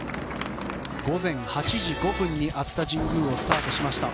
午前８時５分に熱田神宮をスタートしました。